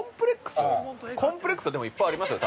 ◆コンプレックスは、でもいっぱいありますよ。